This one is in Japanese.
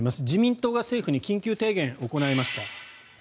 自民党が政府に緊急提言を行いました。